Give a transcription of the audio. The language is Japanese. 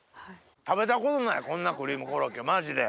食べたことないこんなクリームコロッケまじで。